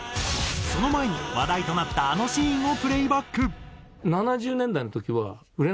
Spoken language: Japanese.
その前に話題となったあのシーンをプレーバック。